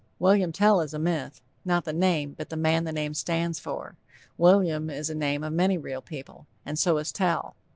William Tell is a myth not the name, but the man the name stands for. William is the name of many real people, and so is _Tell.